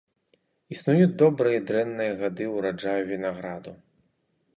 Існуюць добрыя і дрэнныя гады ўраджаю вінаграду.